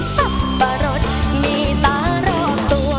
สับปะรดมีตารอบตัว